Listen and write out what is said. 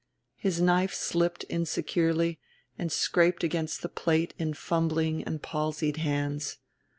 His knife slipped insecurely and scraped against the plate in fumbling and palsied hands.